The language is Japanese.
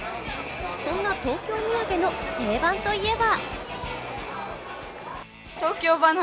そんな東京土産の定番といえば。